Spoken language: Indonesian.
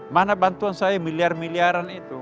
mana bantuan saya miliar miliaran itu